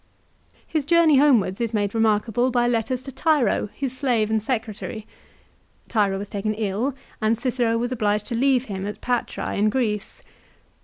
His journey homewards is made remarkable by letters to Tiro, his slave and secretary. Tiro was taken ill, and Cicero was obliged to leave him at Patrse, in Greece.